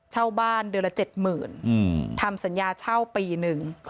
เช่าบ้านเดือนละ๗๐๐๐ทำสัญญาเช่าปีหนึ่ง